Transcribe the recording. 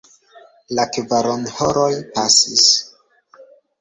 La kvaronhoroj pasis.